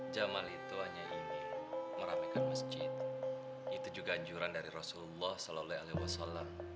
jamal itu hanya ini meramaikan masjid itu juga anjuran dari rasulullah shallallahu alaihi wasallam